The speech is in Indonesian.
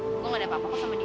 gue nggak ada apa apa sama dia